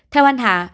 theo anh hạ